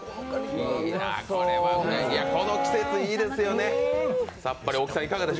この季節、いいですよね、さっぱり。